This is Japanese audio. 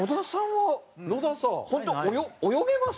野田さんは本当泳げます？